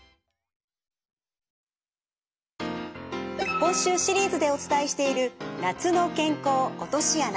今週シリーズでお伝えしている「夏の健康“落とし穴”」。